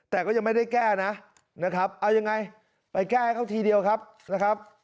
แต่ก็ยังไม่ได้แก้นะนะครับเอายังไงไปแก้ให้เขาทีเดียวครับนะครับ